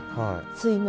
水面。